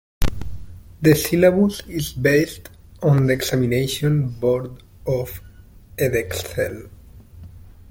The syllabus is based on the examination board of Edexcel.